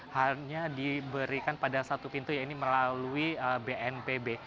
hanya diberikan pada satu pintu yaitu melalui bnpb